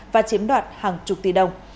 và chiếm đoạt hàng chục tỷ đồng